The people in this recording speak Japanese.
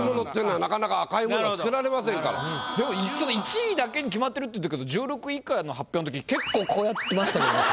でも「１位だけに決まってる」って言ってるけど１６位以下の発表の時結構こうやってましたけど。